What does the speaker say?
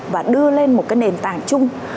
và đưa lên một cái nền tảng chung